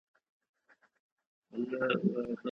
پښتو ژبه د لرغوني تاریخ او بډایه کلتور استازولي کوي.